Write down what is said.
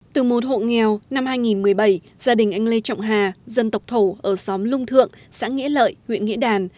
từ một hộ nghèo năm hai nghìn một mươi bảy gia đình anh lê trọng hà dân tộc thổ ở xóm lung thượng xã nghĩa lợi huyện nghĩa đàn